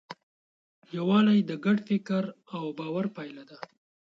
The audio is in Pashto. یووالی د ګډ فکر او باور پایله ده.